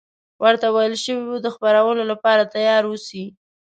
ورته ویل شوي وو د خپرولو لپاره تیار اوسي.